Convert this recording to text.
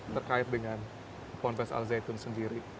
terkait dengan pondes al zaitun sendiri